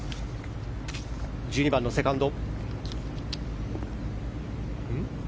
１２番のセカンド。